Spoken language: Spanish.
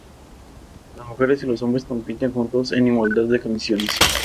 Las mujeres y los hombres compiten juntos en igualdad de condiciones.